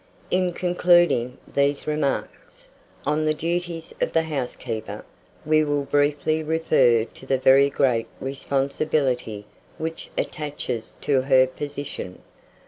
IN CONCLUDING THESE REMARKS on the duties of the housekeeper, we will briefly refer to the very great responsibility which attaches to her position.